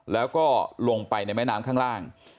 แล้วก็ลงไปในแม่น้ำข้างล่าง